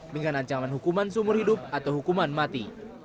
dengan ancaman hukuman seumur hidup atau hukuman mati